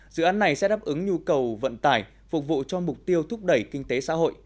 dự án này sẽ đáp ứng nhu cầu vận tải phục vụ cho mục tiêu thúc đẩy kinh tế xã hội